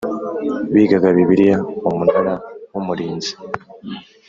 Bigaga bibiliya umunara w umurinzi